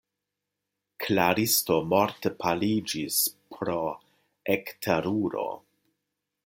Klaristo morte paliĝis pro ekteruro.